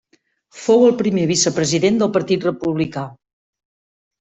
Fou el primer vicepresident del Partit Republicà.